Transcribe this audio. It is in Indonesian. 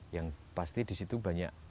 yang pasti disitu banyak